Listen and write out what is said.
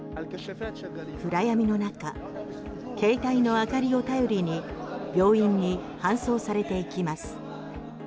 暗闇の中、携帯の明かりを頼りに病院に搬送されていきます。